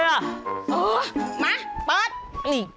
เออมาเปิด